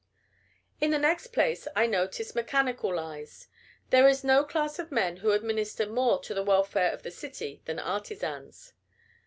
In the next place, I notice mechanical lies. There is no class of men who administer more to the welfare of the city than artisans.